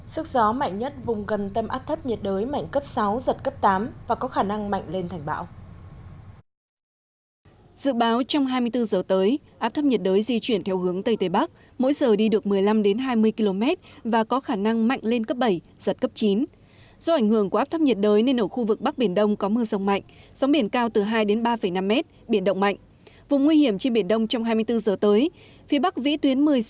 sức gió mạnh nhất vùng gần tâm áp thất nhiệt đới mạnh cấp sáu giật cấp tám và có khả năng mạnh lên thành bão